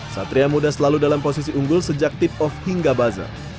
satria muda selalu dalam posisi unggul sejak tip off hingga buzzer